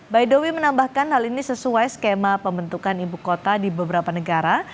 baidowi menambahkan hal ini sesuai skema pembentukan ibu kota di beberapa negara